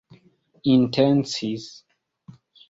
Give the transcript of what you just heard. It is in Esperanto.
intencis